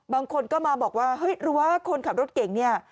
บางคนก็มาบอกว่าเฮ้ยหรือว่าคนขับรถเก่งเนี่ย